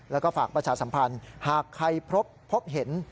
แล้วก็ฝากประชาสัมพันธ์หากใครพบเห็น